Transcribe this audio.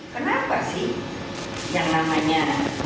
ketika terang terpilih